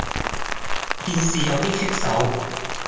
件事有啲棘手